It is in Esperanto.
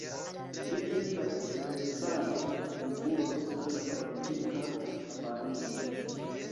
Li estas elstara figuro de la politika kabaredo.